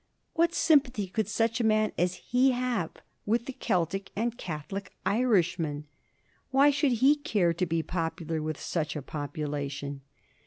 What sympathy could such a man as he have with the Celtic and Catholic Irishman ? Why should he care to be popular with such a population?